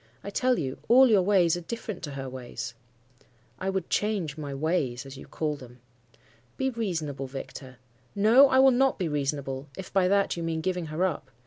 I tell you, all your ways are different to her ways.' "'I would change my "ways," as you call them.' "'Be reasonable, Victor.' "'No, I will not be reasonable, if by that you mean giving her up.